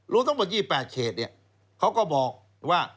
รวมทั้งหมด๒๘เขตเขาก็บอกว่า